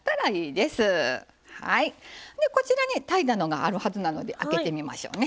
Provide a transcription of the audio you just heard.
こちらに炊いたのがあるはずなので開けてみましょうね。